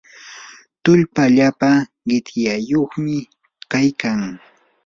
tullpa allapa qityayuqmi kaykan.